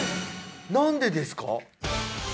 何でですか？